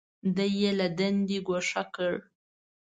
دی یې له دندې ګوښه کړ.